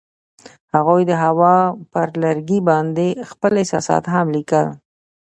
هغوی د هوا پر لرګي باندې خپل احساسات هم لیکل.